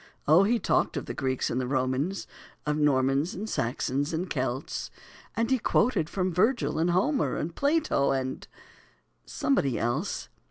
O, he talked of the Greeks and the Romans, Of Normans, and Saxons, and Celts, And he quoted from Virgil, and Homer, And Plato, and somebody else.